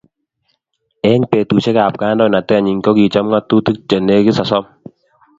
Eng betusiekab kandoinatenyi ko kichop ngatutik che negit sosom